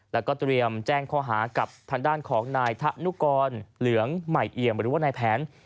แล้วก็เตรียมแจ้งข้อหากับทางด้านของนายธะนุกรเหลืองใหม่เอี่ยมหรือว่านายแผน